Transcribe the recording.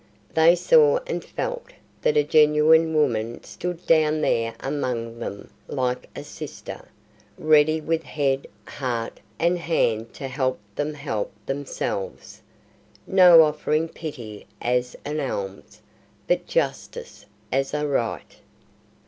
They saw and felt that a genuine woman stood down there among them like a sister, ready with head, heart, and hand to help them help themselves; not offering pity as an alms, but justice as a right.